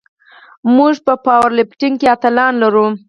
موږ په پاور لفټینګ کې اتلان لرو.